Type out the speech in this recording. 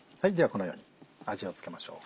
このように味を付けましょう。